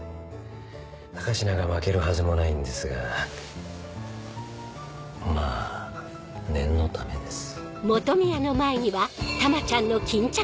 高階が負けるはずもないんですがまぁ念のためです。